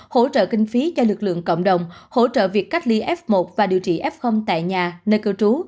hỗ trợ kinh phí cho lực lượng cộng đồng hỗ trợ việc cách ly f một và điều trị f tại nhà nơi cư trú